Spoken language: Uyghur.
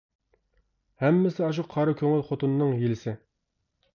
ھەممىسى ئاشۇ قارا كۆڭۈل خوتۇنىنىڭ ھىيلىسى.